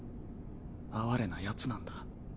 哀れなヤツなんだ。